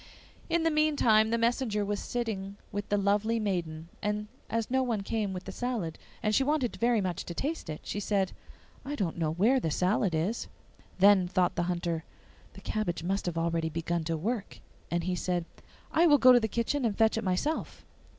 In the meantime, the messenger was sitting with the lovely maiden, and as no one came with the salad, and she wanted very much to taste it, she said, 'I don't know where the salad is.' Then thought the Hunter, 'The cabbage must have already begun to work.' And he said, 'I will go to the kitchen and fetch it myself.